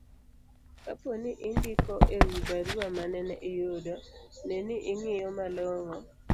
kapo ni indiko e wi barua manene iyudo, ne ni ing'iyo malong'o